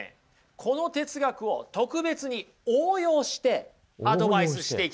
この哲学を特別に応用してアドバイスしていきたいと思います。